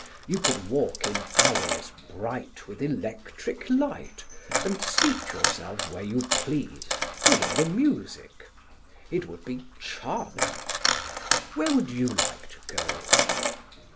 You could walk in alleys bright with electric light and seat yourself where you pleased to hear the music. It would be charming. Where would you like to go?"